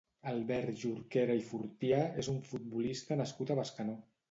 Albert Jorquera i Fortià és un futbolista nascut a Bescanó.